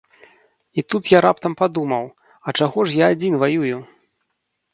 І тут я раптам падумаў, а чаго ж я адзін ваюю?